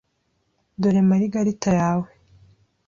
Dore margarita yawe.